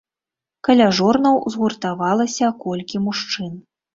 Каля жорнаў згуртавалася колькі мужчын.